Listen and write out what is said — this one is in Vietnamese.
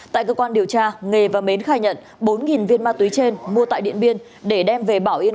tại cơ quan điều tra nghề và mến khai nhận bốn viên ma túy trên mua tại điện biên để đem về bảo yên